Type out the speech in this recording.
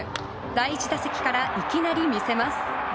第１打席から、いきなり見せます。